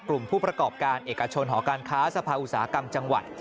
ผู้ประกอบการเอกชนหอการค้าสภาอุตสาหกรรมจังหวัด